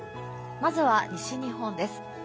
まずは西日本です。